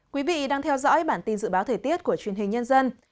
quý vị đang theo dõi bản tin dự báo thời tiết của truyền hình nhân dân